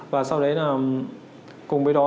và sau đấy là cùng với đó